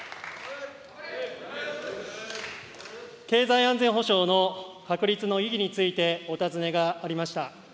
経済安全保障の確立の意義についてお尋ねがありました。